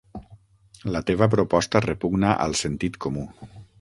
La teva proposta repugna al sentit comú.